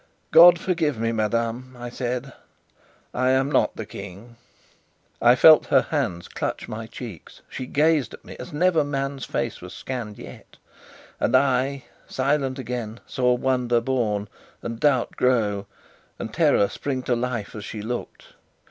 "God forgive me, madame!" I said. "I am not the King!" I felt her hands clutch my cheeks. She gazed at me as never man's face was scanned yet. And I, silent again, saw wonder born, and doubt grow, and terror spring to life as she looked.